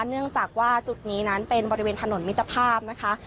เนื่องจากว่าจุดนี้นั้นเป็นบริเวณถนนมิตรภาพนะคะ